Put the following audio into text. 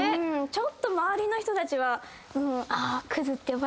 ちょっと周りの人たちはうんあ。